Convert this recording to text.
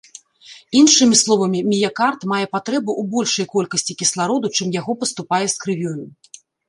Іншымі словамі, міякард мае патрэбу ў большай колькасці кіслароду, чым яго паступае з крывёю.